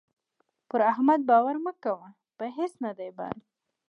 پر احمد باور مه کوه؛ په هيڅ نه دی بند.